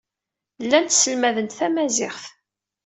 Llant sselmadent tamaziɣt.